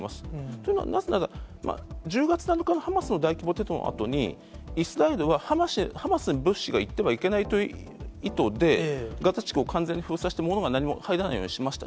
というのは、なぜなら、１０月７日のハマスの大規模テロのあとに、イスラエルは、ハマスに物資が行ってはいけないという意図で、ガザ地区を完全に封鎖して、物が何も入らないようにしました。